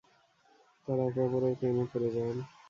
তারা একে অপরের প্রেমে পরে যান।